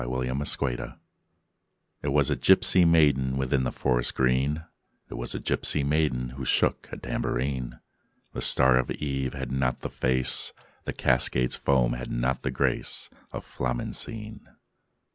FLAMENCINE I It was a gipsy maiden Within the forest green; It was a gipsy maiden Who shook a tambourine: The star of eve had not the face, The cascade's foam had not the grace Of Flamencine.